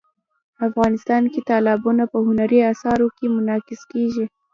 افغانستان کې تالابونه په هنري اثارو کې منعکس کېږي.